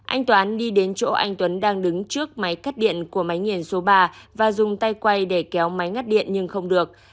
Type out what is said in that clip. anh toán đi đến chỗ anh tuấn đang đứng trước máy cắt điện của máy nghiền số ba và dùng tay quay để kéo máy ngắt điện nhưng không được